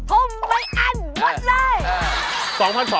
ผมไม่อั้นหมดเลย